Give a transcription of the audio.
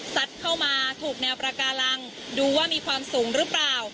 สัดเข้ามาถูกแนวปาการังธรรมชาติดูว่ามีความสูงหรือเปล่า